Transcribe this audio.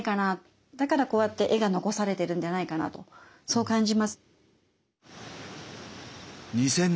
だからこうやって絵が残されてるんではないかなとそう感じます。